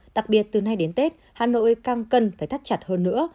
đặc biệt từ nay đến tết hà nội càng cần phải thắt chặt hơn nữa